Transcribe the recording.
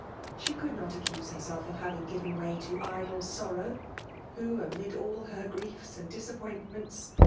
She could not accuse hcrsdf ■■ of h&Ting given way to idle sorrow ; who, amid all her griefs and disappointments.